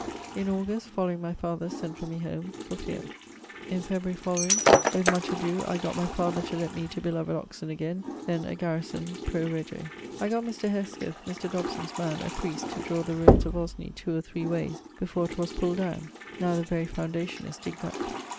In August following my father sent for me home, for feare. In February ... following, with much adoe I gott my father to lett me to beloved Oxon againe, then a garrison pro rege. I gott Mr. Hesketh, Mr. Dobson's man, a priest, to drawe the ruines of Osney 2 or 3 wayes before 'twas pulld downe[X]. Now the very foundation is digged up.